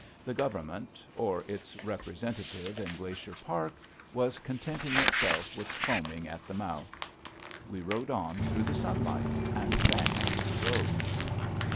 The Government, or its representative in Glacier Park, was contenting itself with foaming at the mouth. We rode on through the sunlight, and sang as we rode.